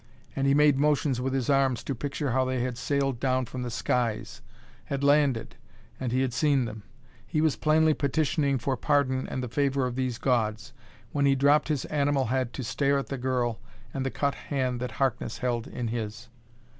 And he made motions with his arms to picture how they had sailed down from the skies; had landed; and he had seen them. He was plainly petitioning for pardon and the favor of these gods when he dropped his animal head to stare at the girl and the cut hand that Harkness held in his.